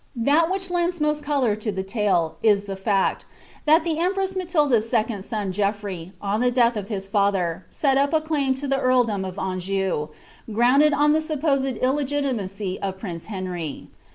Thai which lends most colooi to the lale, is the fact, that the empress Matilda's second son OenlTrey, on the death of his father, set up a claim to the earldom of Anjnn, gronndcd on the supposed illegitimacy of prince Henry.